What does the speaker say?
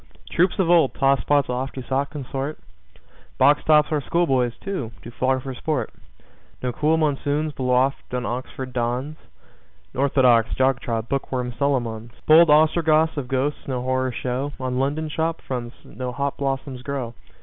Troops of old tosspots oft to sot consort. Box tops our schoolboys, too, do flog for sport. No cool monsoons blow oft on Oxford dons. Orthodox, jog trot, book worm Solomons! Bold Ostrogoths of ghosts no horror show. On London shop fronts no hop blossoms grow.